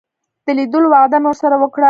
د لیدلو وعده مې ورسره وکړه.